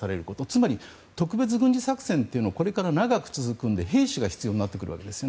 つまり特別軍事作戦はこれから続くんで兵士が必要になってくるわけです。